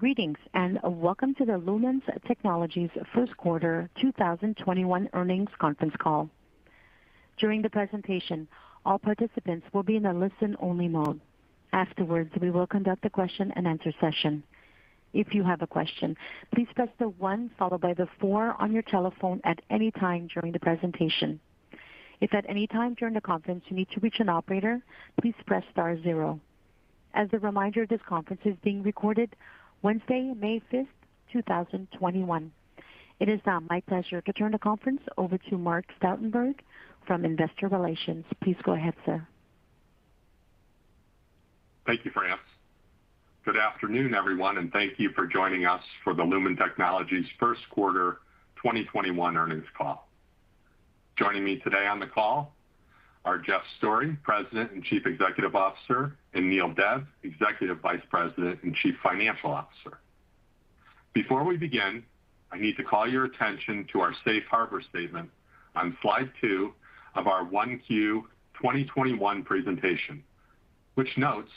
Greetings, and welcome to the Lumen Technologies First Quarter 2021 Earnings Conference Call. During the presentation, all participants will be in a listen-only mode. Afterwards, we will conduct a question and answer session. If you have a question, please press the one followed by the four on your telephone at any time during the presentation. If at any time during the conference you need to reach an operator, please press star zero. As a reminder, this conference is being recorded Wednesday, May 5th, 2021. It is now my pleasure to turn the conference over to Mark Stoutenberg from Investor Relations. Please go ahead, sir. Thank you, France. Good afternoon, everyone. Thank you for joining us for the Lumen Technologies first quarter 2021 earnings call. Joining me today on the call are Jeff Storey, President and Chief Executive Officer, and Neel Dev, Executive Vice President and Chief Financial Officer. Before we begin, I need to call your attention to our Safe Harbor statement on slide two of our 1Q 2021 presentation, which notes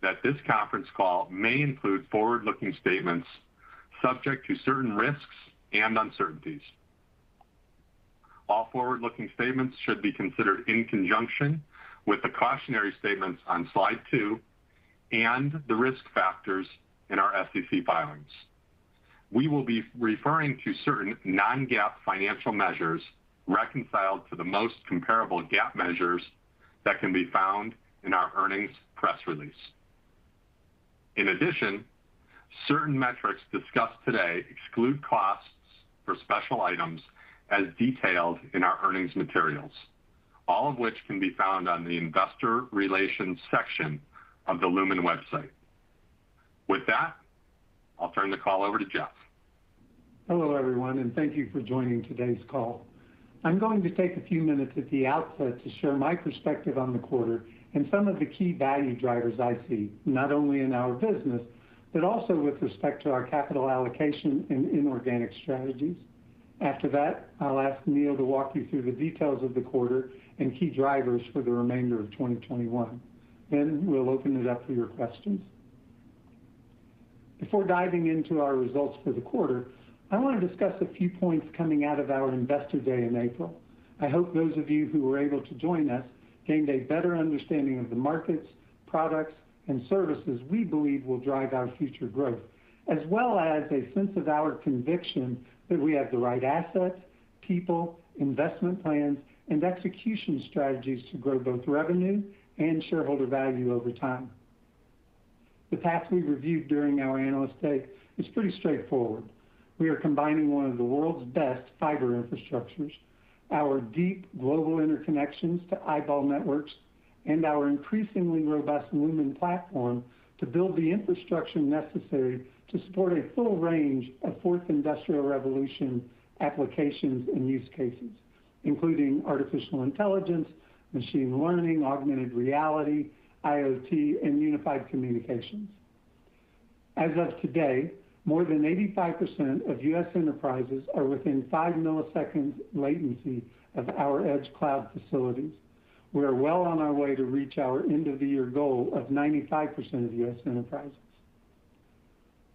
that this conference call may include forward-looking statements subject to certain risks and uncertainties. All forward-looking statements should be considered in conjunction with the cautionary statements on slide two and the risk factors in our SEC filings. We will be referring to certain non-GAAP financial measures reconciled to the most comparable GAAP measures that can be found in our earnings press release. In addition, certain metrics discussed today exclude costs for special items as detailed in our earnings materials, all of which can be found on the investor relations section of the Lumen website. With that, I'll turn the call over to Jeff. Hello, everyone, and thank you for joining today's call. I'm going to take a few minutes at the outset to share my perspective on the quarter and some of the key value drivers I see, not only in our business but also with respect to our capital allocation and inorganic strategies. After that, I'll ask Neel to walk you through the details of the quarter and key drivers for the remainder of 2021. Then we'll open it up for your questions. Before diving into our results for the quarter, I want to discuss a few points coming out of our Investor Day in April. I hope those of you who were able to join us gained a better understanding of the markets, products, and services we believe will drive our future growth, as well as a sense of our conviction that we have the right assets, people, investment plans, and execution strategies to grow both revenue and shareholder value over time. The path we reviewed during our Analyst Day is pretty straightforward. We are combining one of the world's best fiber infrastructures, our deep global interconnections to eyeball networks, and our increasingly robust Lumen Platform to build the infrastructure necessary to support a full range of Fourth Industrial Revolution applications and use cases, including artificial intelligence, machine learning, augmented reality, IoT, and unified communications. As of today, more than 85% of U.S. enterprises are within five milliseconds latency of our edge cloud facilities. We are well on our way to reach our end-of-year goal of 95% of U.S. enterprises.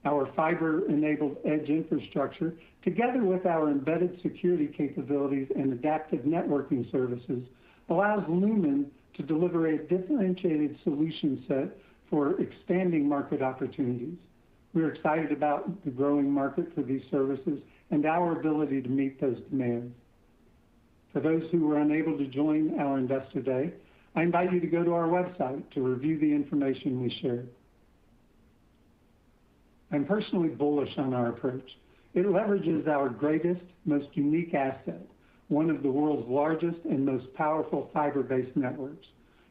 Our fiber-enabled edge infrastructure, together with our embedded security capabilities and adaptive networking services, allows Lumen to deliver a differentiated solution set for expanding market opportunities. We are excited about the growing market for these services and our ability to meet those demands. For those who were unable to join our Investor Day, I invite you to go to our website to review the information we shared. I'm personally bullish on our approach. It leverages our greatest, most unique asset, one of the world's largest and most powerful fiber-based networks,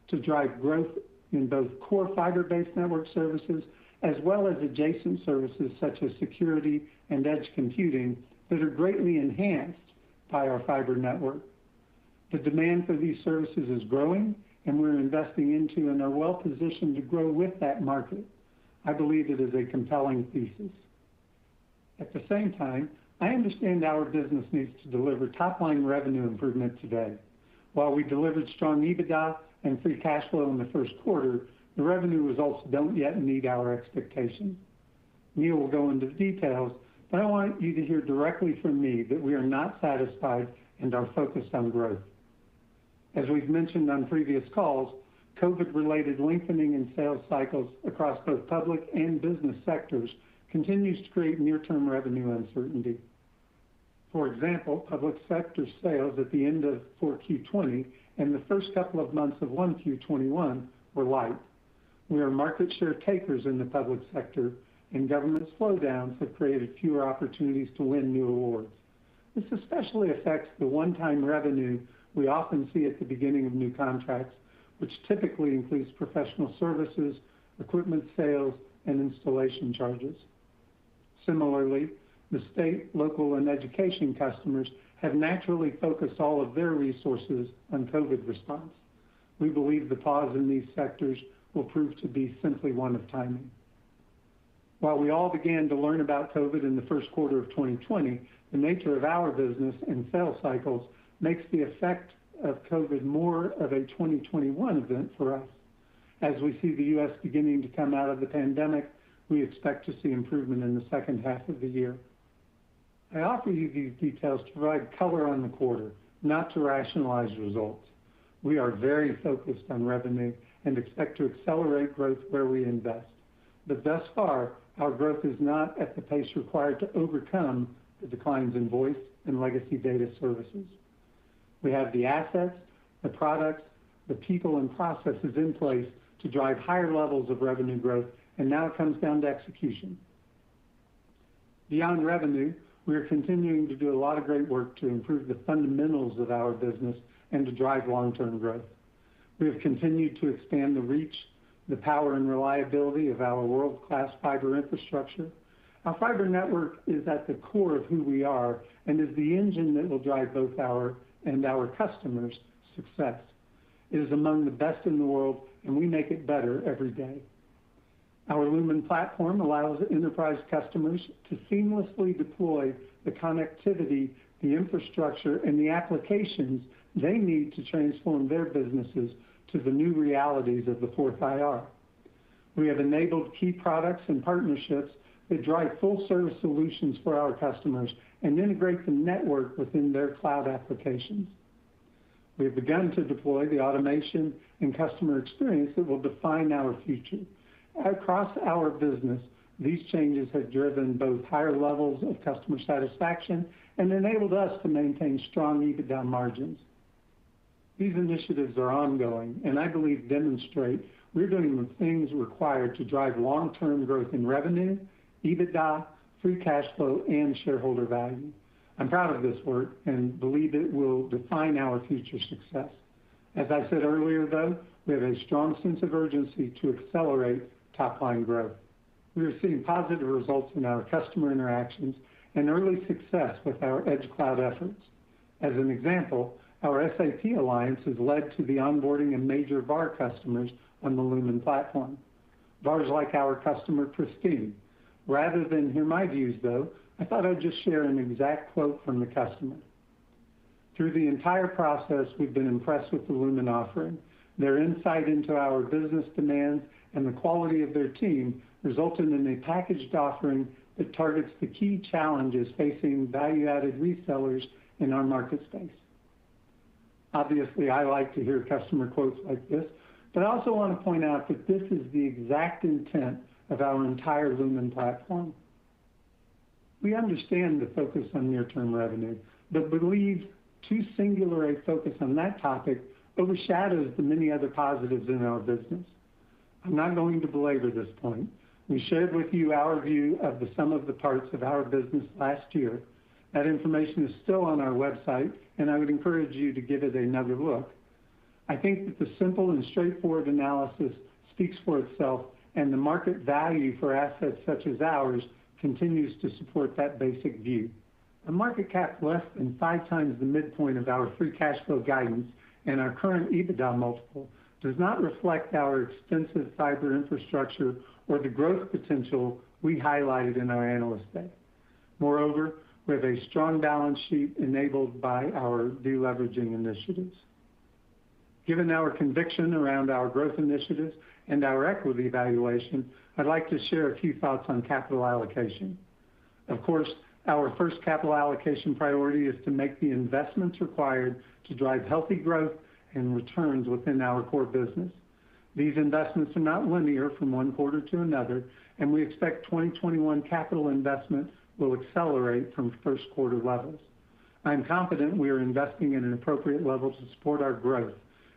to drive growth in both core fiber-based network services as well as adjacent services such as security and edge computing that are greatly enhanced by our fiber network. The demand for these services is growing, and we're investing into and are well positioned to grow with that market. I believe it is a compelling thesis. At the same time, I understand our business needs to deliver top-line revenue improvement today. We delivered strong EBITDA and free cash flow in the first quarter, the revenue results don't yet meet our expectations. Neel will go into the details, but I want you to hear directly from me that we are not satisfied and are focused on growth. As we've mentioned on previous calls, COVID-related lengthening in sales cycles across both public and business sectors continues to create near-term revenue uncertainty. For example, public sector sales at the end of 4Q 2020 and the first couple of months of 1Q 2021 were light. We are market share takers in the public sector, and government slowdowns have created fewer opportunities to win new awards. This especially affects the one-time revenue we often see at the beginning of new contracts, which typically includes professional services, equipment sales, and installation charges. Similarly, the state, local, and education customers have naturally focused all of their resources on COVID response. We believe the pause in these sectors will prove to be simply one of timing. While we all began to learn about COVID in the first quarter of 2020, the nature of our business and sales cycles makes the effect of COVID more of a 2021 event for us. As we see the U.S. beginning to come out of the pandemic, we expect to see improvement in the second half of the year. I offer you these details to provide color on the quarter, not to rationalize results. We are very focused on revenue and expect to accelerate growth where we invest. Thus far, our growth is not at the pace required to overcome the declines in voice and legacy data services. We have the assets, the products, the people, and processes in place to drive higher levels of revenue growth, and now it comes down to execution. Beyond revenue, we are continuing to do a lot of great work to improve the fundamentals of our business and to drive long-term growth. We have continued to expand the reach, the power, and reliability of our world-class fiber infrastructure. Our fiber network is at the core of who we are and is the engine that will drive both our and our customers' success. It is among the best in the world, and we make it better every day. Our Lumen Platform allows enterprise customers to seamlessly deploy the connectivity, the infrastructure, and the applications they need to transform their businesses to the new realities of the Fourth IR. We have enabled key products and partnerships that drive full service solutions for our customers and integrate the network within their cloud applications. We have begun to deploy the automation and customer experience that will define our future. Across our business, these changes have driven both higher levels of customer satisfaction and enabled us to maintain strong EBITDA margins. These initiatives are ongoing and I believe demonstrate we are doing the things required to drive long-term growth in revenue, EBITDA, free cash flow, and shareholder value. I'm proud of this work and believe it will define our future success. As I said earlier, though, we have a strong sense of urgency to accelerate top-line growth. We are seeing positive results in our customer interactions and early success with our edge cloud efforts. As an example, our SAP alliance has led to the onboarding of major VAR customers on the Lumen Platform. VARs like our customer [Pristine]. Rather than hear my views, though, I thought I'd just share an exact quote from the customer. "Through the entire process we've been impressed with the Lumen offering. Their insight into our business demands and the quality of their team resulted in a packaged offering that targets the key challenges facing value-added resellers in our market space." Obviously, I like to hear customer quotes like this, but believe too singular a focus on that topic overshadows the many other positives in our business. I'm not going to belabor this point. We shared with you our view of the sum of the parts of our business last year. That information is still on our website, and I would encourage you to give it another look. I think that the simple and straightforward analysis speaks for itself, and the market value for assets such as ours continues to support that basic view. A market cap less than five times the midpoint of our free cash flow guidance and our current EBITDA multiple does not reflect our extensive fiber infrastructure or the growth potential we highlighted in our Analyst Day. Moreover, we have a strong balance sheet enabled by our deleveraging initiatives. Given our conviction around our growth initiatives and our equity valuation, I'd like to share a few thoughts on capital allocation. Of course, our first capital allocation priority is to make the investments required to drive healthy growth and returns within our core business. These investments are not linear from one quarter to another, and we expect 2021 capital investments will accelerate from first quarter levels. I am confident we are investing at an appropriate level to support our growth,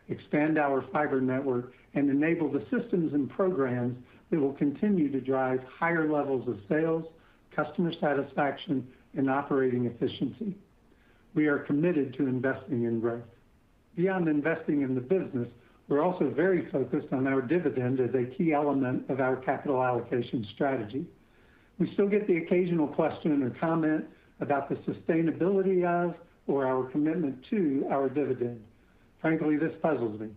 expand our fiber network, and enable the systems and programs that will continue to drive higher levels of sales, customer satisfaction, and operating efficiency. We are committed to investing in growth. Beyond investing in the business, we're also very focused on our dividend as a key element of our capital allocation strategy. We still get the occasional question or comment about the sustainability of, or our commitment to, our dividend. Frankly, this puzzles me.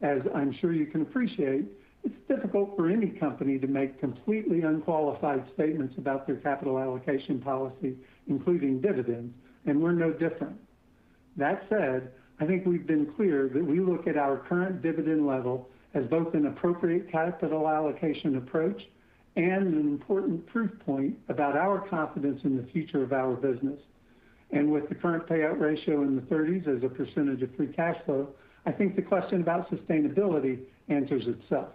As I'm sure you can appreciate, it's difficult for any company to make completely unqualified statements about their capital allocation policy, including dividends, and we're no different. That said, I think we've been clear that we look at our current dividend level as both an appropriate capital allocation approach and an important proof point about our confidence in the future of our business. With the current payout ratio in the 30s as a percentage of free cash flow, I think the question about sustainability answers itself.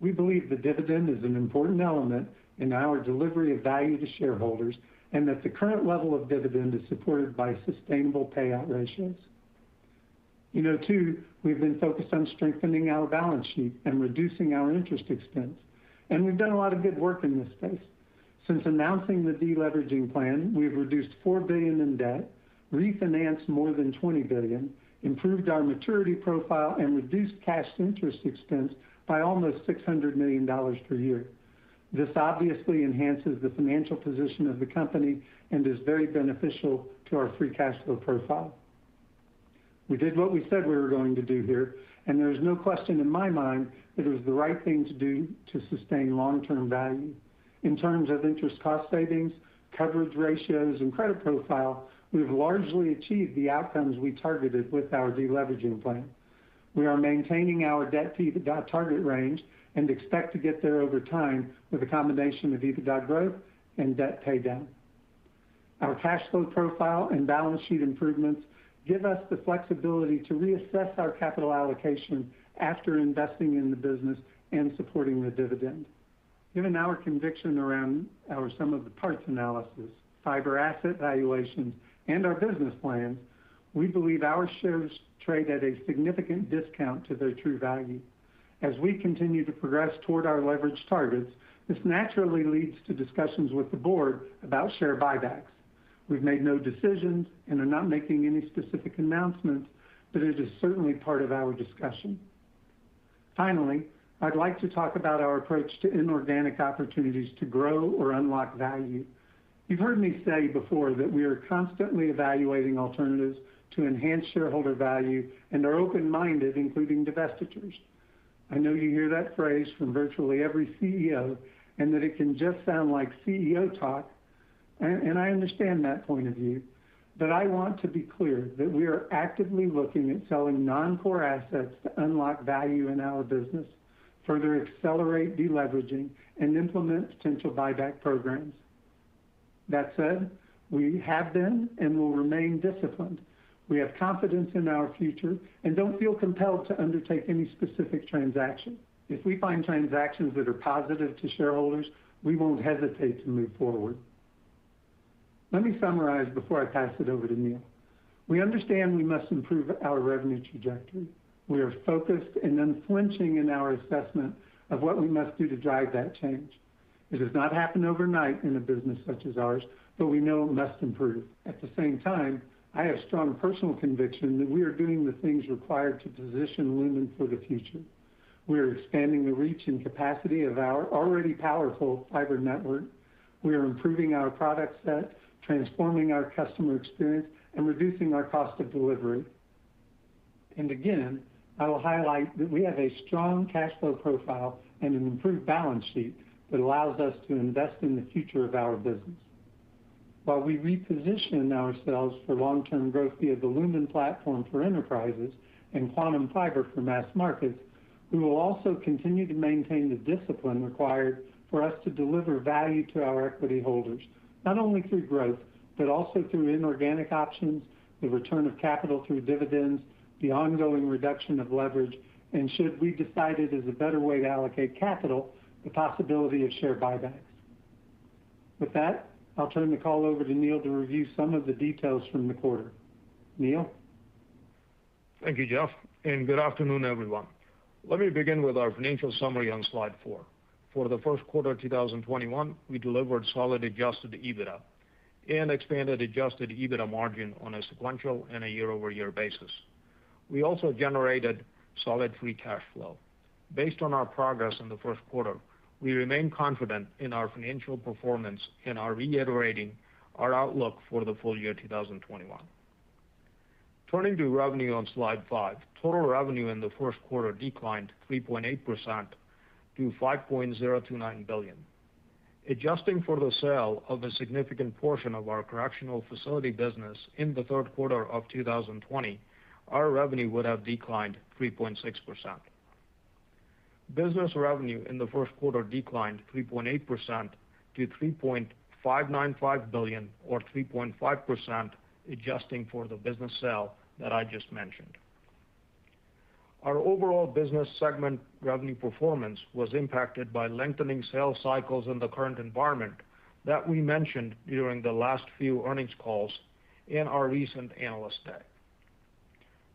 We believe the dividend is an important element in our delivery of value to shareholders, and that the current level of dividend is supported by sustainable payout ratios. You know, too, we've been focused on strengthening our balance sheet and reducing our interest expense, and we've done a lot of good work in this space. Since announcing the de-leveraging plan, we have reduced $4 billion in debt, refinanced more than $20 billion, improved our maturity profile, and reduced cash interest expense by almost $600 million per year. This obviously enhances the financial position of the company and is very beneficial to our free cash flow profile. We did what we said we were going to do here. There's no question in my mind that it was the right thing to do to sustain long-term value. In terms of interest cost savings, coverage ratios, and credit profile, we've largely achieved the outcomes we targeted with our de-leveraging plan. We are maintaining our debt-to-EBITDA target range and expect to get there over time with a combination of EBITDA growth and debt paydown. Our cash flow profile and balance sheet improvements give us the flexibility to reassess our capital allocation after investing in the business and supporting the dividend. Given our conviction around our sum of the parts analysis, fiber asset valuations, and our business plans, we believe our shares trade at a significant discount to their true value. As we continue to progress toward our leverage targets, this naturally leads to discussions with the board about share buybacks. We've made no decisions and are not making any specific announcements, but it is certainly part of our discussion. Finally, I'd like to talk about our approach to inorganic opportunities to grow or unlock value. You've heard me say before that we are constantly evaluating alternatives to enhance shareholder value and are open-minded, including divestitures. I know you hear that phrase from virtually every CEO and that it can just sound like CEO talk, and I understand that point of view. I want to be clear that we are actively looking at selling non-core assets to unlock value in our business, further accelerate de-leveraging, and implement potential buyback programs. That said, we have been and will remain disciplined. We have confidence in our future and don't feel compelled to undertake any specific transaction. If we find transactions that are positive to shareholders, we won't hesitate to move forward. Let me summarize before I pass it over to Neel. We understand we must improve our revenue trajectory. We are focused and unflinching in our assessment of what we must do to drive that change. It does not happen overnight in a business such as ours, but we know it must improve. At the same time, I have strong personal conviction that we are doing the things required to position Lumen for the future. We are expanding the reach and capacity of our already powerful fiber network. We are improving our product set, transforming our customer experience, and reducing our cost of delivery. Again, I will highlight that we have a strong cash flow profile and an improved balance sheet that allows us to invest in the future of our business. While we reposition ourselves for long-term growth via the Lumen Platform for enterprises and Quantum Fiber for mass markets, we will also continue to maintain the discipline required for us to deliver value to our equity holders, not only through growth but also through inorganic options, the return of capital through dividends, the ongoing reduction of leverage, and should we decide it is a better way to allocate capital, the possibility of share buybacks. With that, I'll turn the call over to Neel to review some of the details from the quarter. Neel? Thank you, Jeff, and good afternoon, everyone. Let me begin with our financial summary on slide four. For the first quarter of 2021, we delivered solid adjusted EBITDA and expanded adjusted EBITDA margin on a sequential and a year-over-year basis. We also generated solid free cash flow. Based on our progress in the first quarter, we remain confident in our financial performance and are reiterating our outlook for the full year 2021. Turning to revenue on slide five. Total revenue in the first quarter declined 3.8% to $5.029 billion. Adjusting for the sale of a significant portion of our correctional facility business in the third quarter of 2020, our revenue would have declined 3.6%. Business revenue in the first quarter declined 3.8% to $3.595 billion, or 3.5% adjusting for the business sale that I just mentioned. Our overall business segment revenue performance was impacted by lengthening sales cycles in the current environment that we mentioned during the last few earnings calls and our recent Analyst Day.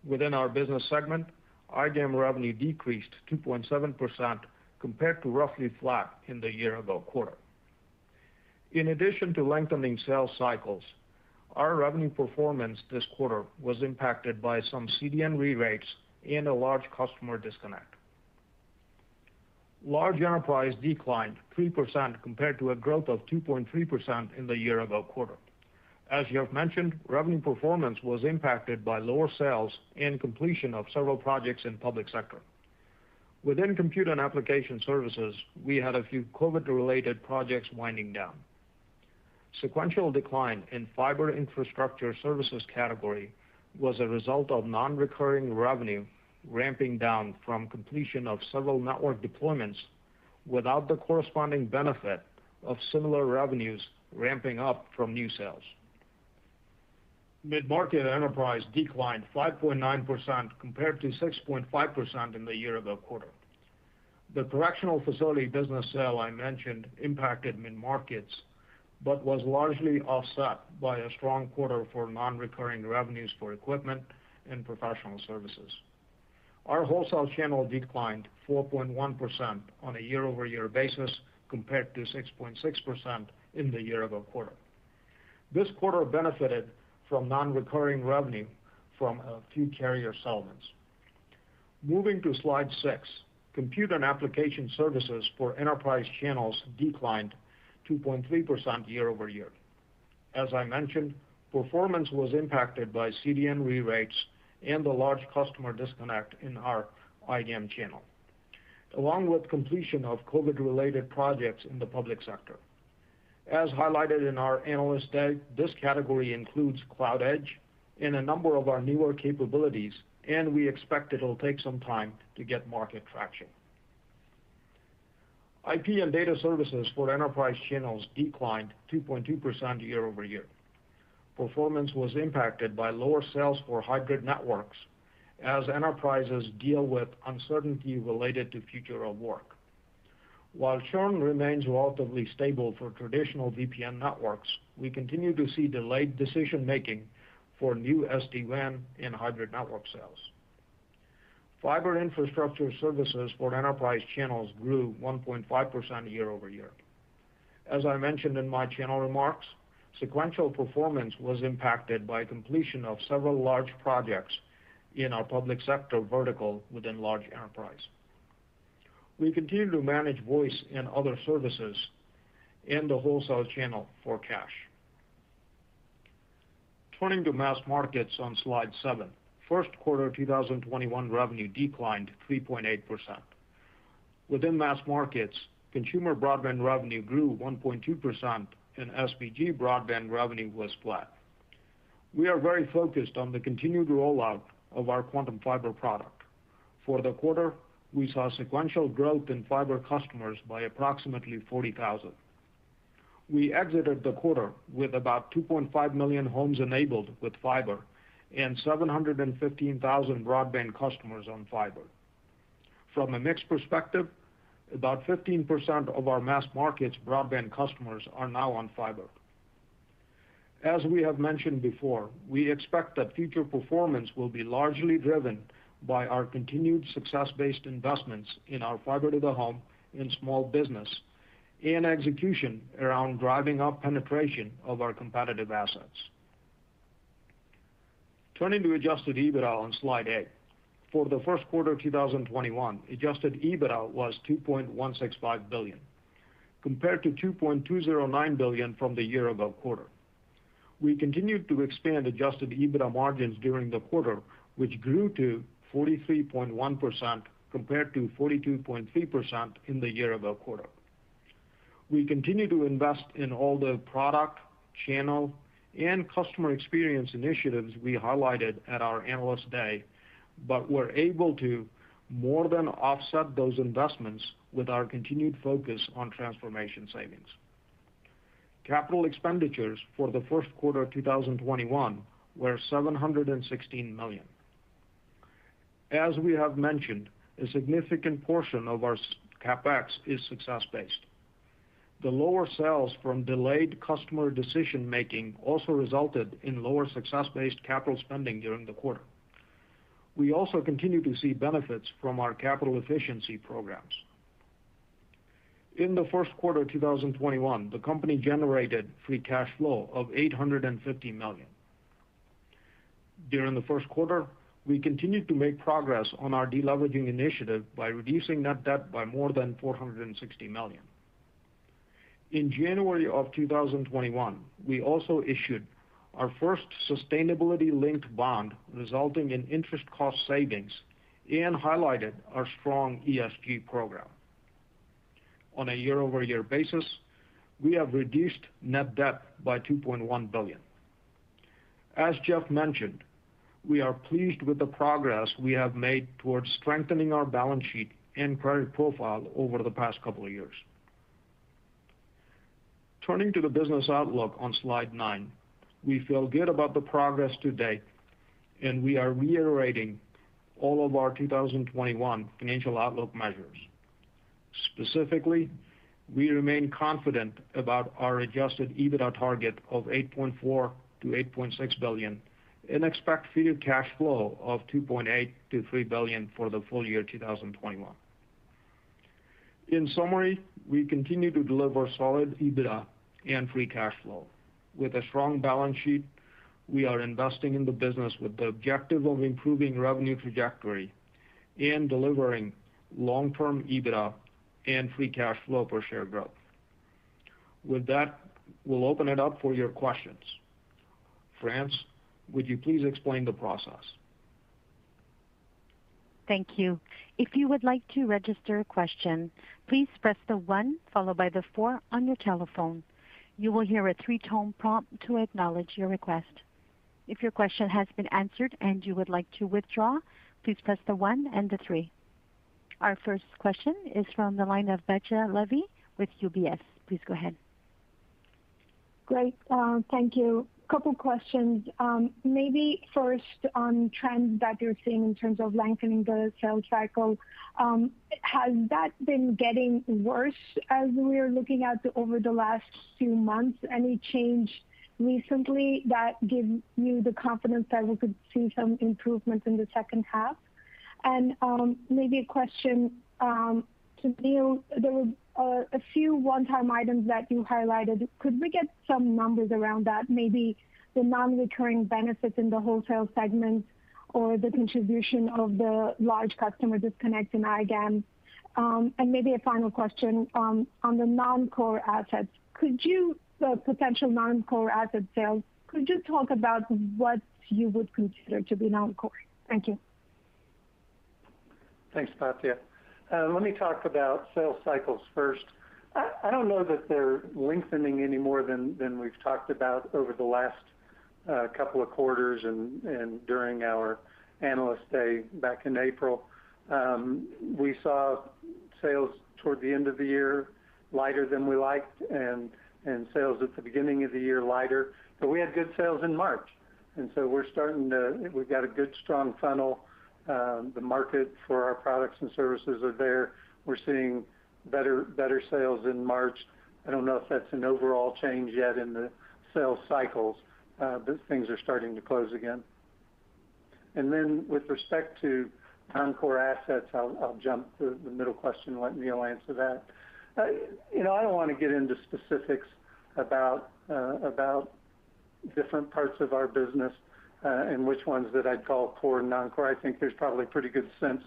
Within our business segment, IGAM revenue decreased 2.7% compared to roughly flat in the year-ago quarter. In addition to lengthening sales cycles, our revenue performance this quarter was impacted by some CDN re-rates and a large customer disconnect. Large enterprise declined 3% compared to a growth of 2.3% in the year-ago quarter. As Jeff mentioned, revenue performance was impacted by lower sales and completion of several projects in public sector. Within compute and application services, we had a few COVID-related projects winding down. Sequential decline in fiber infrastructure services category was a result of non-recurring revenue ramping down from completion of several network deployments without the corresponding benefit of similar revenues ramping up from new sales. Mid-market enterprise declined 5.9% compared to 6.5% in the year-ago quarter. The correctional facility business sale I mentioned impacted mid markets but was largely offset by a strong quarter for non-recurring revenues for equipment and professional services. Our wholesale channel declined 4.1% on a year-over-year basis compared to 6.6% in the year-ago quarter. This quarter benefited from non-recurring revenue from a few carrier settlements. Moving to slide six, compute and application services for enterprise channels declined 2.3% year-over-year. As I mentioned, performance was impacted by CDN re-rates and the large customer disconnect in our IGAM channel, along with completion of COVID-related projects in the public sector. As highlighted in our Analyst Day, this category includes Cloud Edge and a number of our newer capabilities, and we expect it'll take some time to get market traction. IP and data services for enterprise channels declined 2.2% year-over-year. Performance was impacted by lower sales for hybrid networks as enterprises deal with uncertainty related to future of work. While churn remains relatively stable for traditional VPN networks, we continue to see delayed decision-making for new SD-WAN and hybrid network sales. Fiber infrastructure services for enterprise channels grew 1.5% year-over-year. As I mentioned in my channel remarks, sequential performance was impacted by completion of several large projects in our public sector vertical within large enterprise. We continue to manage voice and other services in the wholesale channel for cash. Turning to mass markets on slide seven. First quarter 2021 revenue declined 3.8%. Within mass markets, consumer broadband revenue grew 1.2%, and SBG broadband revenue was flat. We are very focused on the continued rollout of our Quantum Fiber product. For the quarter, we saw sequential growth in fiber customers by approximately 40,000. We exited the quarter with about 2.5 million homes enabled with fiber and 715,000 broadband customers on fiber. From a mix perspective, about 15% of our mass markets broadband customers are now on fiber. As we have mentioned before, we expect that future performance will be largely driven by our continued success-based investments in our fiber to the home and small business, and execution around driving up penetration of our competitive assets. Turning to adjusted EBITDA on slide eight. For the first quarter 2021, adjusted EBITDA was $2.165 billion, compared to $2.209 billion from the year-ago quarter. We continued to expand adjusted EBITDA margins during the quarter, which grew to 43.1% compared to 42.3% in the year-ago quarter. We continue to invest in all the product, channel, and customer experience initiatives we highlighted at our Analyst Day, but we're able to more than offset those investments with our continued focus on transformation savings. Capital expenditures for the first quarter 2021 were $716 million. As we have mentioned, a significant portion of our CapEx is success-based. The lower sales from delayed customer decision-making also resulted in lower success-based capital spending during the quarter. We also continue to see benefits from our capital efficiency programs. In the first quarter 2021, the company generated free cash flow of $850 million. During the first quarter, we continued to make progress on our deleveraging initiative by reducing net debt by more than $460 million. In January of 2021, we also issued our first sustainability-linked bond, resulting in interest cost savings, and highlighted our strong ESG program. On a year-over-year basis, we have reduced net debt by $2.1 billion. As Jeff mentioned, we are pleased with the progress we have made towards strengthening our balance sheet and credit profile over the past couple of years. Turning to the business outlook on slide nine. We feel good about the progress to date, we are reiterating all of our 2021 financial outlook measures. Specifically, we remain confident about our adjusted EBITDA target of $8.4 billion-$8.6 billion and expect free cash flow of $2.8 billion-$3 billion for the full year 2021. In summary, we continue to deliver solid EBITDA and free cash flow. With a strong balance sheet, we are investing in the business with the objective of improving revenue trajectory and delivering long-term EBITDA and free cash flow per share growth. With that, we'll open it up for your questions. France, would you please explain the process? Thank you. If you would like to register a question, please press the one followed by the four on your telephone. You will hear a three-tone prompt to acknowledge your request. If your question has been answered and you would like to withdraw, please press the one and the three. Our first question is from the line of Batya Levi with UBS. Please go ahead. Great. Thank you. Couple questions. First on trends that you're seeing in terms of lengthening the sales cycle. Has that been getting worse as we are looking at over the last few months? Any change recently that gives you the confidence that we could see some improvements in the second half? Maybe a question to Neel. There were a few one-time items that you highlighted. Could we get some numbers around that? Maybe the non-recurring benefits in the wholesale segment or the contribution of the large customer disconnect in IGAM? Maybe a final question on the non-core assets, the potential non-core asset sales, could you talk about what you would consider to be non-core? Thank you. Thanks, Batya. Let me talk about sales cycles first. I don't know that they're lengthening any more than we've talked about over the last couple of quarters and during our Analyst Day back in April. We saw sales toward the end of the year lighter than we liked and sales at the beginning of the year lighter. We had good sales in March, we've got a good, strong funnel. The market for our products and services are there. We're seeing better sales in March. I don't know if that's an overall change yet in the sales cycles, things are starting to close again. With respect to non-core assets, I'll jump the middle question and let Neel answer that. I don't want to get into specifics about different parts of our business and which ones that I'd call core and non-core. I think there's probably a pretty good sense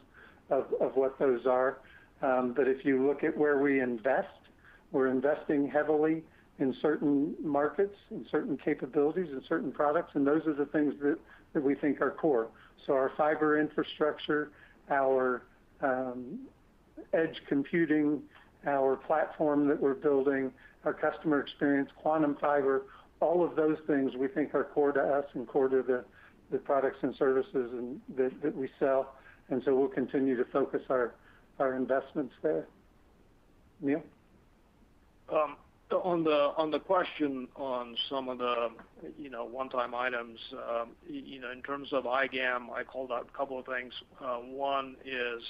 of what those are. If you look at where we invest, we're investing heavily in certain markets, in certain capabilities, in certain products, and those are the things that we think are core. Our fiber infrastructure, our edge computing, our platform that we're building, our customer experience, Quantum Fiber, all of those things we think are core to us and core to the products and services that we sell. We'll continue to focus our investments there. Neel? On the question on some of the one-time items, in terms of IGAM, I called out a couple of things. One is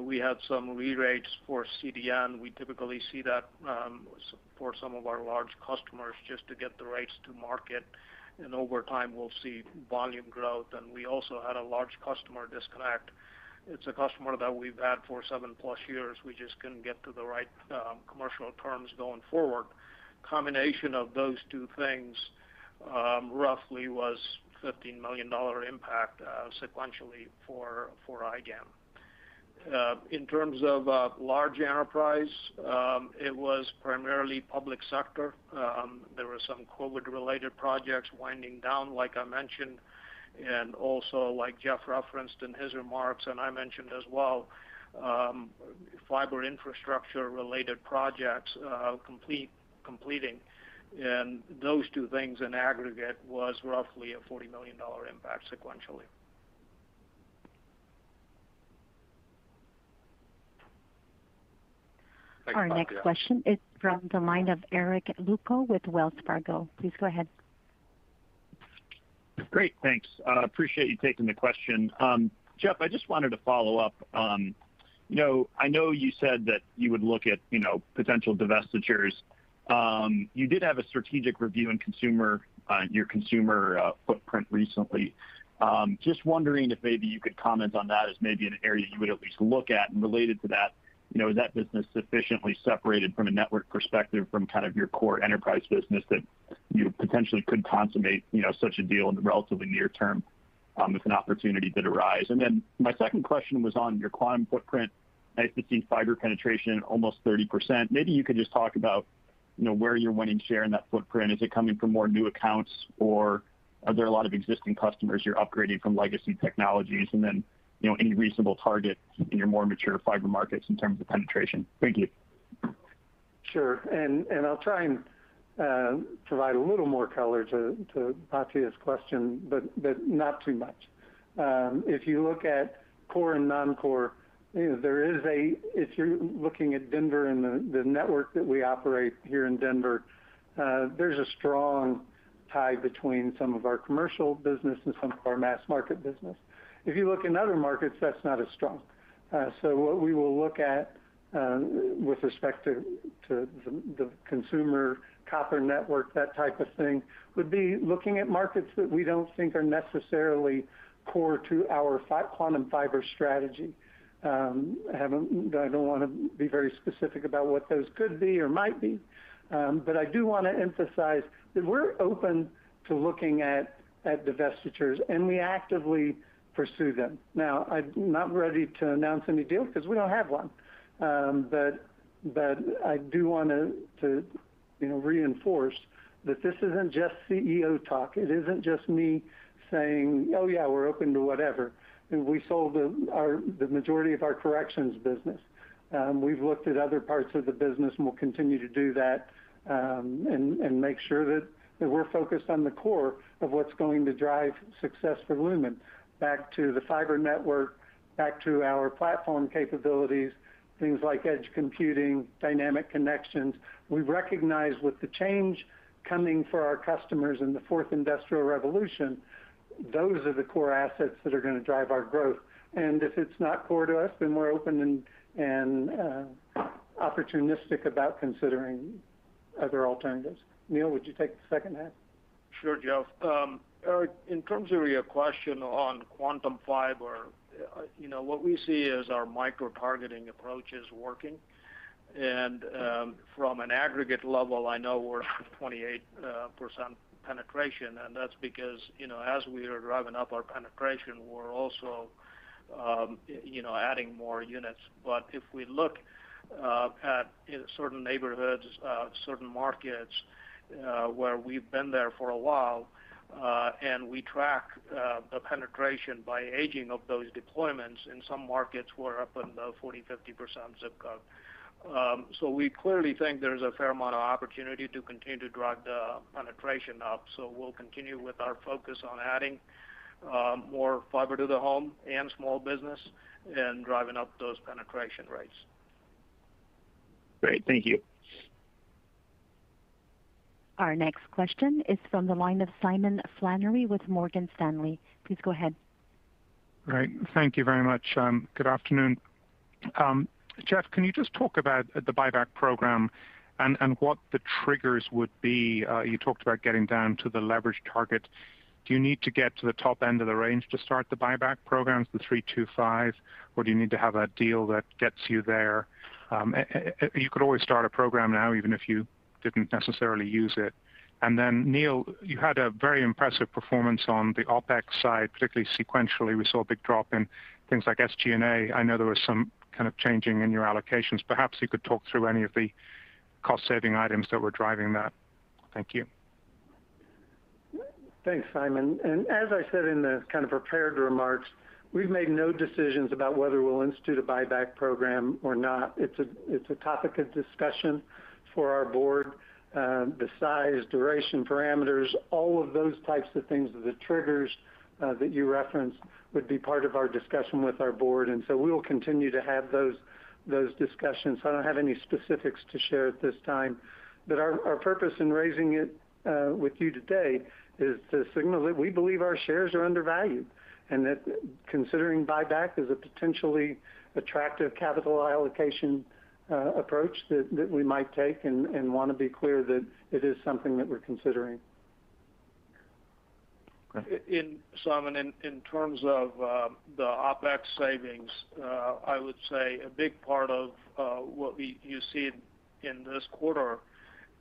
we had some re-rates for CDN. We typically see that for some of our large customers just to get the rates to market, and over time, we'll see volume growth. We also had a large customer disconnect. It's a customer that we've had for 7-plus years. We just couldn't get to the right commercial terms going forward. Combination of those two things roughly was a $15 million impact sequentially for IGAM. In terms of large enterprise, it was primarily public sector. There were some COVID-related projects winding down, like I mentioned, and also like Jeff referenced in his remarks and I mentioned as well, fiber infrastructure-related projects completing. Those two things in aggregate was roughly a $40 million impact sequentially. Thanks, Batya. Our next question is from the line of Eric Luebchow with Wells Fargo. Please go ahead. Great. Thanks. Appreciate you taking the question. Jeff, I just wanted to follow up. I know you said that you would look at potential divestitures. You did have a strategic review on your consumer footprint recently. Just wondering if maybe you could comment on that as maybe an area you would at least look at. Related to that, is that business sufficiently separated from a network perspective from your core enterprise business that you potentially could consummate such a deal in the relatively near term if an opportunity did arise? My second question was on your Quantum Fiber footprint. I see fiber penetration almost 30%. Maybe you could just talk about where you're winning share in that footprint. Is it coming from more new accounts, or are there a lot of existing customers you're upgrading from legacy technologies? Any reasonable target in your more mature fiber markets in terms of penetration? Thank you. Sure. I'll try and provide a little more color to Batya's question, but not too much. If you look at core and non-core, if you're looking at Denver and the network that we operate here in Denver, there's a strong tie between some of our commercial business and some of our mass market business. If you look in other markets, that's not as strong. What we will look at with respect to the consumer copper network, that type of thing, would be looking at markets that we don't think are necessarily core to our Quantum Fiber strategy. I don't want to be very specific about what those could be or might be. I do want to emphasize that we're open to looking at divestitures, and we actively pursue them. Now, I'm not ready to announce any deal because we don't have one. I do want to reinforce that this isn't just CEO talk. It isn't just me saying, yeah, we're open to whatever." We sold the majority of our corrections business. We've looked at other parts of the business, and we'll continue to do that and make sure that we're focused on the core of what's going to drive success for Lumen. Back to the fiber network, back to our platform capabilities, things like edge computing, Dynamic Connections. We recognize with the change coming for our customers in the Fourth Industrial Revolution, those are the core assets that are going to drive our growth. If it's not core to us, then we're open and opportunistic about considering other alternatives. Neel, would you take the second half? Sure, Jeff. Eric, in terms of your question on Quantum Fiber, what we see is our micro-targeting approach is working. From an aggregate level, I know we're 28% penetration, and that's because as we are driving up our penetration, we're also adding more units. If we look at certain neighborhoods, certain markets, where we've been there for a while, and we track the penetration by aging of those deployments, in some markets we're up in the 40%-50% zip code. We clearly think there's a fair amount of opportunity to continue to drive the penetration up. We'll continue with our focus on adding more fiber to the home and small business and driving up those penetration rates. Great. Thank you. Our next question is from the line of Simon Flannery with Morgan Stanley. Please go ahead. Great. Thank you very much. Good afternoon. Jeff, can you just talk about the buyback program and what the triggers would be? You talked about getting down to the leverage target. Do you need to get to the top end of the range to start the buyback programs, the 3.25, or do you need to have a deal that gets you there? You could always start a program now, even if you didn't necessarily use it. Then Neel Dev, you had a very impressive performance on the OpEx side, particularly sequentially. We saw a big drop in things like SG&A. I know there was some kind of changing in your allocations. Perhaps you could talk through any of the cost saving items that were driving that. Thank you. Thanks, Simon. As I said in the prepared remarks, we've made no decisions about whether we'll institute a buyback program or not. It's a topic of discussion for our board. The size, duration, parameters, all of those types of things, the triggers that you referenced would be part of our discussion with our board. We will continue to have those discussions. I don't have any specifics to share at this time. Our purpose in raising it with you today is to signal that we believe our shares are undervalued, and that considering buyback is a potentially attractive capital allocation approach that we might take and want to be clear that it is something that we're considering. Simon, in terms of the OpEx savings, I would say a big part of what you see in this quarter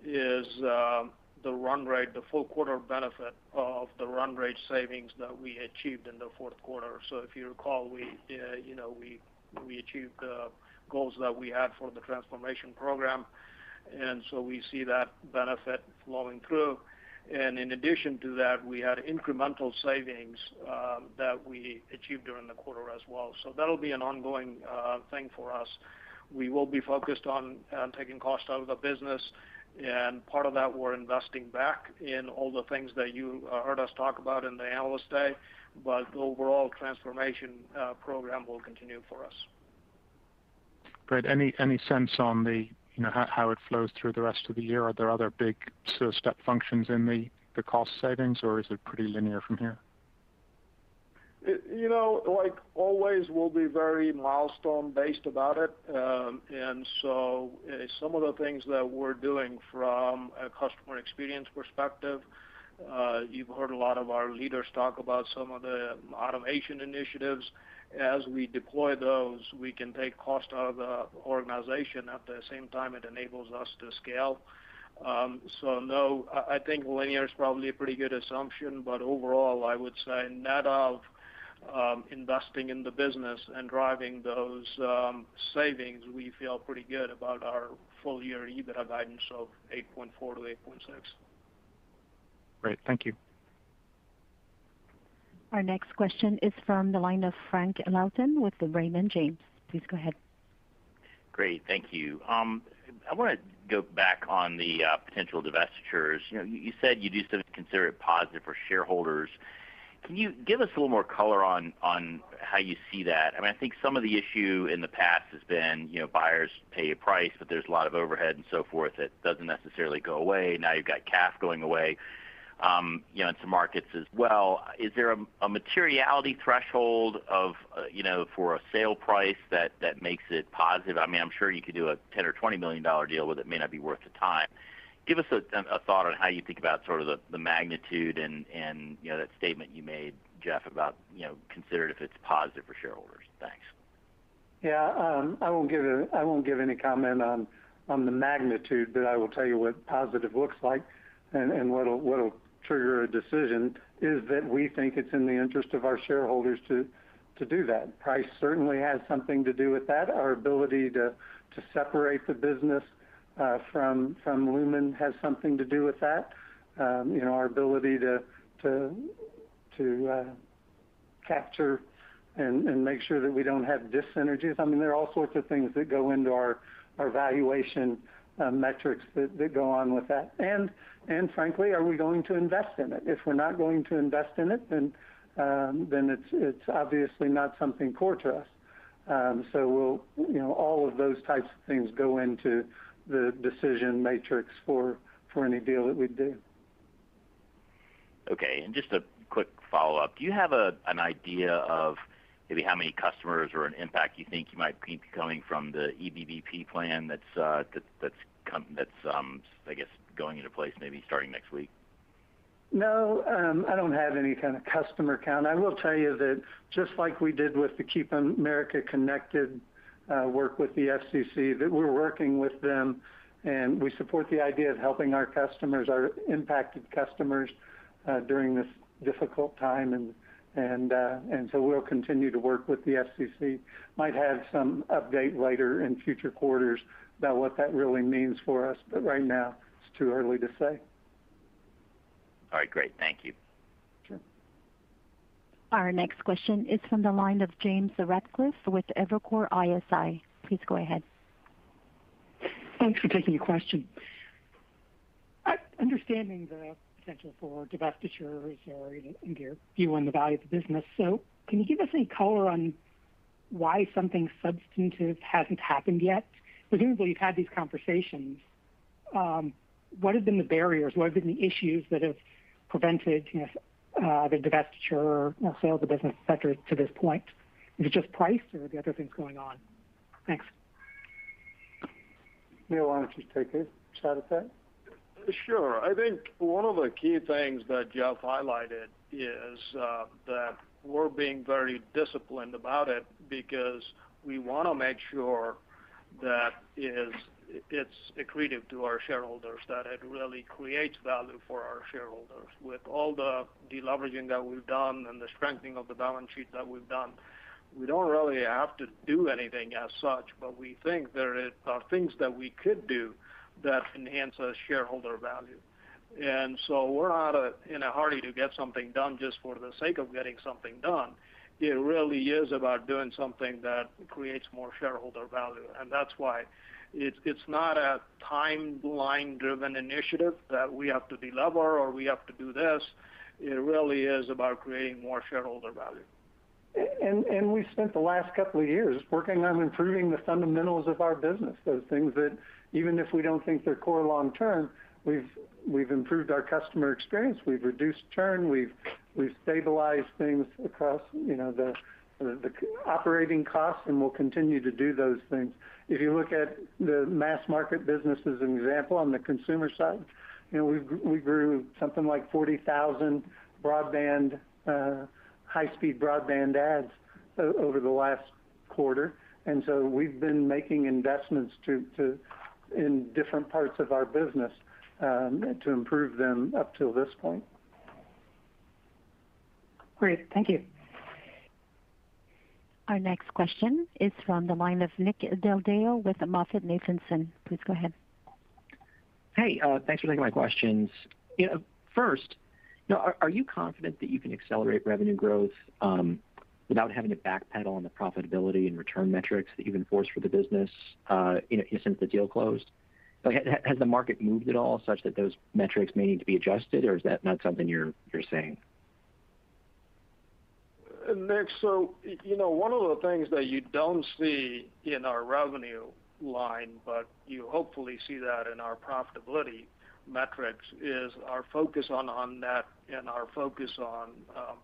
is the run rate, the full quarter benefit of the run rate savings that we achieved in the fourth quarter. If you recall, we achieved the goals that we had for the transformation program, and we see that benefit flowing through. In addition to that, we had incremental savings that we achieved during the quarter as well. That'll be an ongoing thing for us. We will be focused on taking cost out of the business, and part of that we're investing back in all the things that you heard us talk about in the Analyst Day. The overall transformation program will continue for us. Great. Any sense on how it flows through the rest of the year? Are there other big step functions in the cost savings, or is it pretty linear from here? Like always, we'll be very milestone based about it. Some of the things that we're doing from a customer experience perspective, you've heard a lot of our leaders talk about some of the automation initiatives. As we deploy those, we can take cost out of the organization. At the same time, it enables us to scale. No, I think linear is probably a pretty good assumption, but overall, I would say net of investing in the business and driving those savings, we feel pretty good about our full year EBITDA guidance of $8.4 billion-$8.6 billion. Great. Thank you. Our next question is from the line of Frank Louthan with Raymond James. Please go ahead. Great. Thank you. I want to go back on the potential divestitures. You said you do still consider it positive for shareholders. Can you give us a little more color on how you see that? I think some of the issue in the past has been buyers pay a price, but there's a lot of overhead and so forth that doesn't necessarily go away. Now you've got CAF going away in some markets as well. Is there a materiality threshold for a sale price that makes it positive? I'm sure you could do a $10 million or $20 million deal, but it may not be worth the time. Give us a thought on how you think about the magnitude and that statement you made, Jeff, about consider it if it's positive for shareholders. Thanks. I won't give any comment on the magnitude, but I will tell you what positive looks like and what'll trigger a decision is that we think it's in the interest of our shareholders to do that. Price certainly has something to do with that. Our ability to separate the business from Lumen has something to do with that. Our ability to capture and make sure that we don't have dis-synergies. There are all sorts of things that go into our valuation metrics that go on with that. Frankly, are we going to invest in it? If we're not going to invest in it's obviously not something core to us. All of those types of things go into the decision matrix for any deal that we'd do. Okay. Just a quick follow-up. Do you have an idea of maybe how many customers or an impact you think you might be coming from the EBB plan that's, I guess, going into place maybe starting next week? No, I don't have any kind of customer count. I will tell you that just like we did with the Keep Americans Connected work with the FCC, that we're working with them and we support the idea of helping our impacted customers during this difficult time and so we'll continue to work with the FCC. Might have some update later in future quarters about what that really means for us, but right now it's too early to say. All right, great. Thank you. Sure. Our next question is from the line of James Ratcliffe with Evercore ISI. Please go ahead. Thanks for taking the question. Understanding the potential for divestitures or your view on the value of the business, can you give us any color on why something substantive hasn't happened yet? Presumably you've had these conversations. What have been the barriers? What have been the issues that have prevented either divestiture or sale of the business, et cetera to this point? Is it just price or are there other things going on? Thanks. Neel, why don't you take a shot at that? Sure. I think one of the key things that Jeff highlighted is that we're being very disciplined about it because we want to make sure that it's accretive to our shareholders, that it really creates value for our shareholders. With all the de-leveraging that we've done and the strengthening of the balance sheet that we've done, we don't really have to do anything as such, but we think there are things that we could do that enhance our shareholder value. We're not in a hurry to get something done just for the sake of getting something done. It really is about doing something that creates more shareholder value. That's why it's not a timeline driven initiative that we have to de-lever or we have to do this. It really is about creating more shareholder value. We've spent the last couple of years working on improving the fundamentals of our business, those things that even if we don't think they're core long term, we've improved our customer experience, we've reduced churn, we've stabilized things across the operating costs and we'll continue to do those things. If you look at the mass market business as an example on the consumer side, we grew something like 40,000 high-speed broadband adds over the last quarter. We've been making investments in different parts of our business to improve them up till this point. Great. Thank you. Our next question is from the line of Nick Del Deo with MoffettNathanson. Please go ahead. Hey, thanks for taking my questions. First, are you confident that you can accelerate revenue growth without having to backpedal on the profitability and return metrics that you've enforced for the business since the deal closed? Has the market moved at all such that those metrics may need to be adjusted or is that not something you're saying? Nick, one of the things that you don't see in our revenue line, but you hopefully see that in our profitability metrics, is our focus on net and our focus on